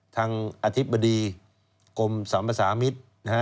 ทางอธิบดีกรมสามประสามิตฯ